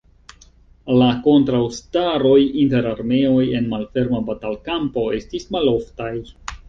La kontraŭstaroj inter armeoj en malferma batalkampo estis maloftaj.